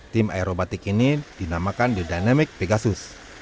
tim aerobatik ini dinamakan the dynamic pegasus